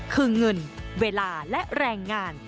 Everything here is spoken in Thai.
คือเงินเวลาและแรงงาน